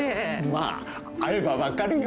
まあ会えば分かるよ。